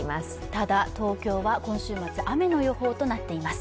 ただ、東京は今週末雨の予報となっています。